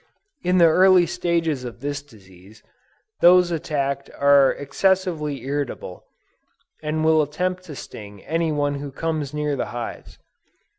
In the early stages of this disease, those attacked are excessively irritable, and will attempt to sting any one who comes near the hives.